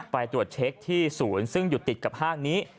ไปตรวจเช็คที่ศูนย์ซึ่งอยู่ติดกับห้างนี้